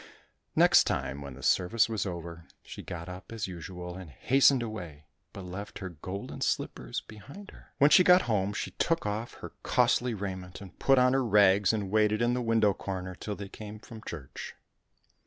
Next time, when the service was over, she got up as usual and hastened away, but left her golden slippers behind her. When she got home she took off her costly raiment 152 THE GOLDEN SLIPPER and put on her rags, and waited in the window corner till they came from church.